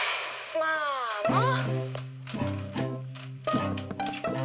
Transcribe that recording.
まあまあ。